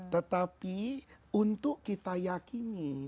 tetapi untuk kita yakini